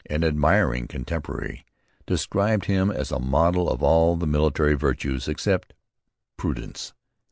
An admiring contemporary described him as a model of all the military virtues except prudence.